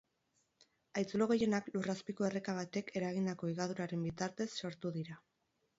Haitzulo gehienak lurrazpiko erreka batek eragindako higaduraren bitartez sortu dira.